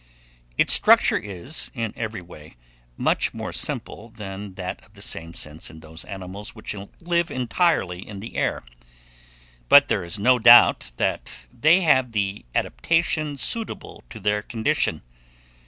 Its structure is, in every way, much more simple than that of the same sense in those animals which live entirely in the air; but there is no doubt that they have the adaptation suitable to their condition.